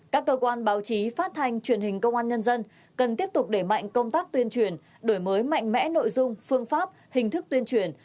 các cơ quan báo chí phát thanh truyền hình công an nhân dân cần tiếp tục đẩy mạnh công tác tuyên truyền đổi mới mạnh mẽ nội dung phương pháp hình thức tuyên truyền